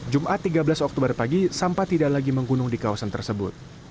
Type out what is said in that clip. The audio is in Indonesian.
jumat tiga belas oktober pagi sampah tidak lagi menggunung di kawasan tersebut